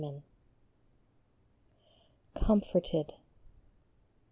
COMFORTED.